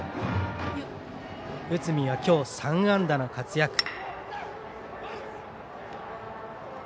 内海は今日３安打の活躍。